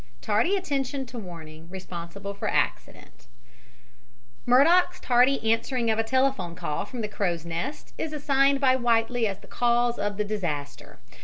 TARDY ATTENTION TO WARNING RESPONSIBLE FOR ACCIDENT Murdock's tardy answering of a telephone call from the crow's nest is assigned by Whiteley as the cause of the disaster.